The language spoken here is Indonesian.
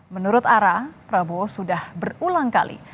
menurut ara prabowo sudah berulang kali